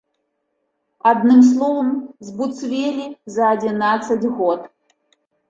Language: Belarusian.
Адным словам, збуцвелі за адзінаццаць год.